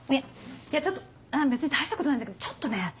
いやちょっと別に大したことないんだけどちょっとね。